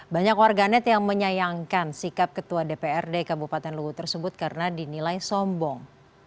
banyak warganet yang menyayangkan sikap ketua dprd kabupaten luwu tersebut karena dinilai sombong